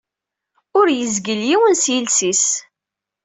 Ur yezgil yiwen s yiles-is.